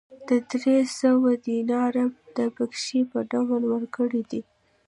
دا درې سوه دیناره د پېشکي په ډول ورکړي دي